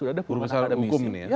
guru besar hukum ini ya